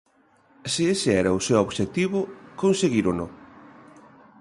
Se ese era o seu obxectivo, conseguírono.